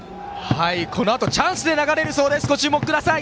このあとチャンスで流れるそうなのでご注目ください。